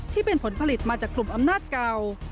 ที่เป็นผลผลิตมาจากกลุ่มอำนาจเก่า